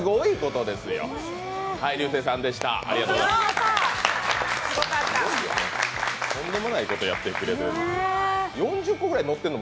とんでもないことやってくれてる。